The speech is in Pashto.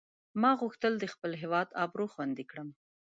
ما غوښتل د خپل هیواد آبرو خوندي کړم.